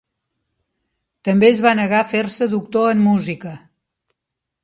També es va negar a fer-se doctor en música.